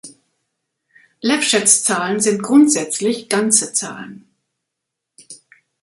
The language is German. Lefschetz-Zahlen sind grundsätzlich ganze Zahlen.